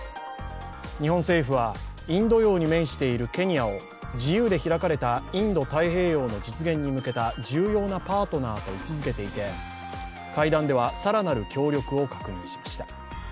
日本政府はインド洋に面しているケニアを、自由で開かれたインド太平洋の実現に向けた重要なパートナーと位置づけていて会談では、更なる協力を確認しました。